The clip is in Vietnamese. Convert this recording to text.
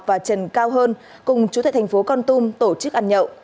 và trần cao hơn cùng chủ tệ thành phố con tum tổ chức ăn nhậu